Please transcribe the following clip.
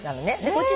こっち